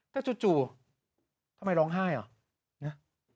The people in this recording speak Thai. ถ้าจู่ทำไมร้องไห้อ่ะ